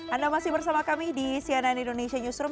anda masih bersama kami di cnn indonesia newsroom